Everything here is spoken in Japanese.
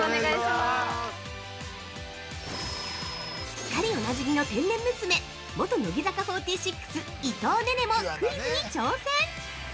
◆すっかりおなじみの天然娘元乃木坂４６・伊藤寧々もクイズに挑戦！